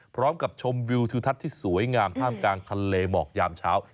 ชมวิวทิวทัศน์ที่สวยงามท่ามกลางทะเลหมอกยามเช้า